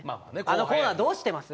「あのコーナーどうしてます？」